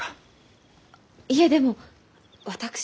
いえでも私は。